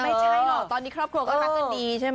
ไม่ใช่เหรอตอนนี้ครอบครัวก็ค่อนข้างดีใช่ไหม